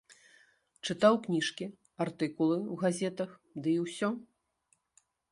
Чытаў кніжкі, артыкулы ў газетах, дый усё.